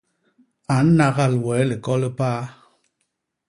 A nnagal wee liko li paa.